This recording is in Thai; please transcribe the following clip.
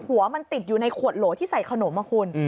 หัวมันติดอยู่ในขวดโหลที่ใส่ขนมอ่ะคุณ